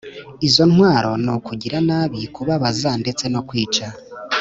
izo ntwaro ni ukugira nabi, kubabaza ndetse no kwica